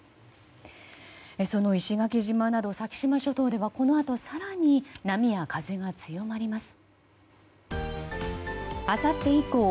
その石垣島など先島諸島ではこのあと更に波や風が強まります。